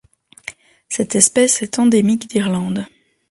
Cette espèce est endémique d'Irlande.